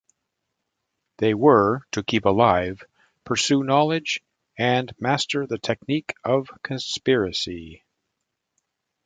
They were, to keep alive, pursue knowledge, and master the technique of conspiracy.